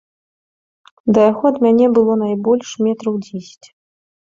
Да яго ад мяне было найбольш метраў дзесяць.